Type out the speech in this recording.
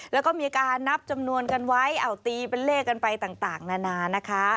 แล้วก็มีการนับจำนวนกันไว้เอาตีเป็นเลขกันไปต่างนานานะคะ